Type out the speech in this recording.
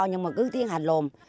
nhưng mà cứ tiến hành lùm